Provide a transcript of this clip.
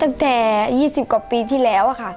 แก่๒๐กว่าปีที่แล้วครับ